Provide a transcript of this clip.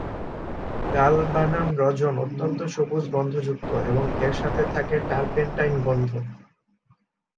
গালবানাম রজন অত্যন্ত সবুজ গন্ধযুক্ত এবং এর সাথে থাকে টারপেন্টাইন গন্ধ।